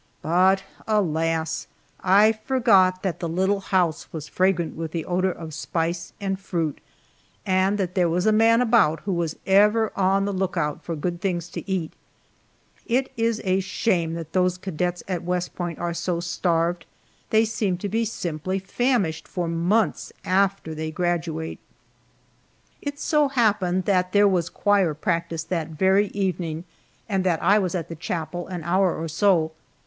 But alas! I forgot that the little house was fragrant with the odor of spice and fruit, and that there was a man about who was ever on the lookout for good things to eat. It is a shame that those cadets at West Point are so starved. They seem to be simply famished for months after they graduate. It so happened that there was choir practice that very evening, and that I was at the chapel an hour or so.